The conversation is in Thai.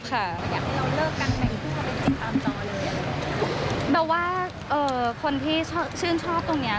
เค้าเลี้ยงว่าเขาชื่นชอบเราที่ผลงาน